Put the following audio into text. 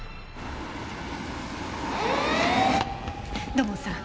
土門さん